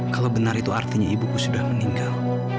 kalau benar itu artinya ibuku sudah meninggal